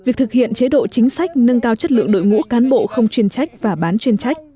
chính sách nâng cao chất lượng đội ngũ cán bộ không chuyên trách và bán chuyên trách